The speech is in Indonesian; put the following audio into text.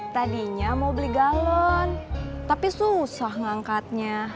tadinya mau beli galon tapi susah ngangkatnya